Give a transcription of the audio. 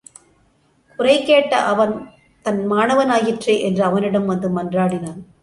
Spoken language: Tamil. குறை கேட்ட அவன் தன் மாணவன் ஆயிற்றே என்று அவனிடம் வந்து மன்றாடினான்.